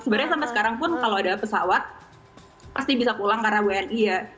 sebenarnya sampai sekarang pun kalau ada pesawat pasti bisa pulang karena wni ya